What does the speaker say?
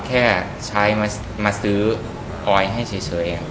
แค่มาซื้อออยล์ให้เฉยเอง